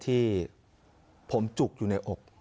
ที่ผมจุกอยู่ในอก